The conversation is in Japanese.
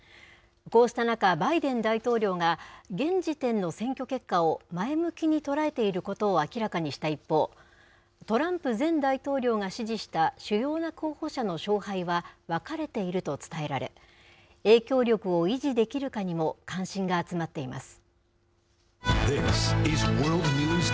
こうした中、バイデン大統領が、現時点の選挙結果を前向きに捉えていることを明らかにした一方、トランプ前大統領が支持した主要な候補者の勝敗は分かれていると伝えられ、影響力を維持できるかにも関心が集まっています。